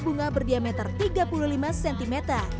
bunga berdiameter tiga puluh lima cm